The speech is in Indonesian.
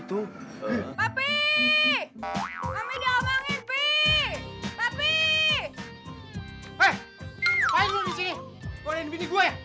buatin bini gue